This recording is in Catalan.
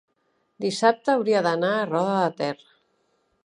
dissabte hauria d'anar a Roda de Ter.